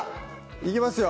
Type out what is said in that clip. いきますよ